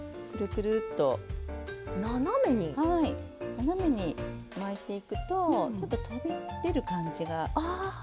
斜めに巻いていくとちょっと飛び出る感じがして。